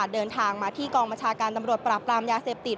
เดินทางมาที่กองบัญชาการตำรวจปราบปรามยาเสพติด